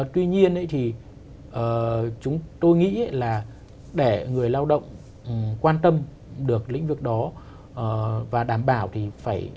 tuy nhiên thì chúng tôi nghĩ là để người lao động quan tâm được lĩnh vực đó và đảm bảo thì phải